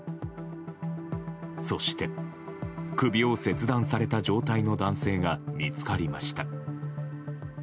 そして、首を切断された状態の男性が見つかりました。